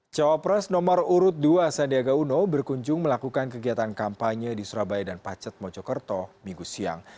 cawa pres nomor urut dua sandiaga uno berkunjung melakukan kegiatan kampanye di surabaya dan pacet mojokerto minggu siang